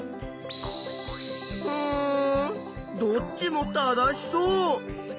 うんどっちも正しそう。